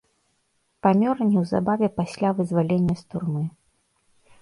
Памёр неўзабаве пасля вызвалення з турмы.